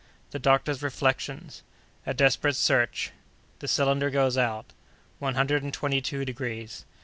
—The Doctor's Reflections.—A Desperate Search.—The Cylinder goes out.—One Hundred and Twenty two Degrees.